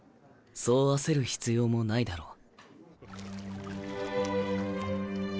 そう焦る必要もないだろう。